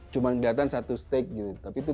cuma kelihatan satu stake gitu